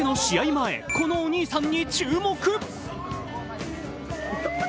前、このお兄さんに注目。